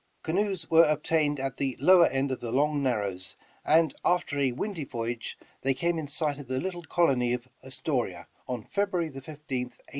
Canoes were obtained at the lowed end of the Long Narrows, and after a windy voyage they came in sight of the little colony of Astoria on February 15th, 1812.